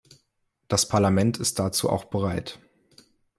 Das Parlament ist dazu auch bereit.